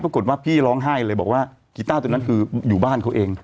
ปรากฏว่าพี่ร้องไห้เลยบอกว่ากีต้าตัวนั้นคืออยู่บ้านเขาเอง